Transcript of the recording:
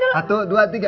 satu dua tiga